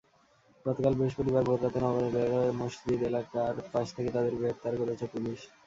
গতকাল বৃহস্পতিবার ভোররাতে নগরের রেলওয়ে মসজিদ এলাকার পাশ থেকে তাঁদের গ্রেপ্তার করেছে পুলিশ।